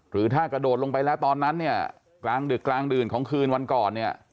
หรือถ้ากระโดดลงไปแล้วตอนนั้นเนี่ยกลางดึกกลางดื่นของคืนวันก่อนเนี่ย